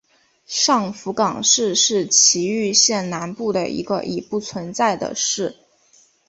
上福冈市是崎玉县南部的一个已不存在的市。